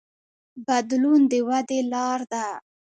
بدلون د ودې لار ده.